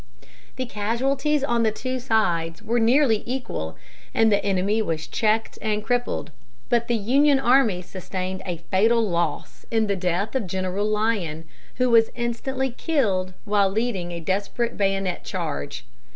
The casualties on the two sides were nearly equal, and the enemy was checked and crippled; but the Union army sustained a fatal loss in the death of General Lyon, who was instantly killed while leading a desperate bayonet charge.